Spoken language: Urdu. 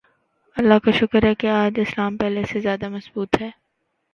اللہ کا شکر ہے کہ آج اسلام پہلے سے زیادہ مضبوط ہے۔